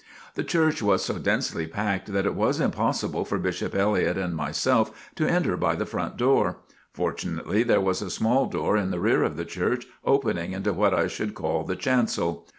The church was so densely packed that it was impossible for Bishop Elliott and myself to enter by the front door. Fortunately there was a small door in the rear of the Church, opening into what I should call the Chancel.